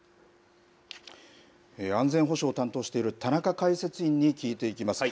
安全保障を担当している田中解説委員に聞いていきます。